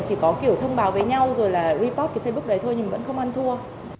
chỉ có kiểu thông báo với nhau rồi là report cái facebook đấy thôi mình vẫn không ăn thua